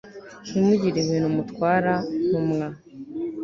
ntimugire ibintu mutwara, ntumwa